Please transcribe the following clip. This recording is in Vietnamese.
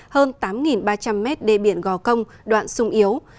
hơn tám ba trăm linh mét đê biển gò công đoạn sung yếu